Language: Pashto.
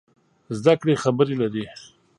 زده کړې خبرې لري.